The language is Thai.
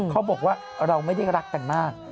เขาบอกว่าเราไม่ได้รักกันมาก